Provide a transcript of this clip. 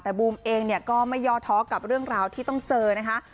แต่บูมเองเนี่ยก็ไม่ย่อท้อกับเรื่องราวที่ต้องเจอนะคะ